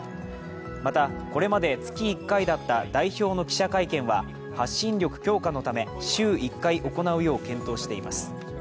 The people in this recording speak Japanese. また、これまで月１回だった代表の記者会見は発信力強化のため週１回行うよう検討しています。